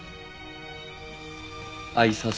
あいさつ